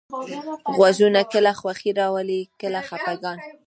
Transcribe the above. غږونه کله خوښي راولي، کله خپګان.